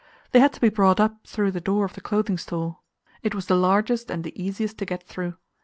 They had to be brought up through the door of the Clothing Store; it was the largest and the easiest to get through.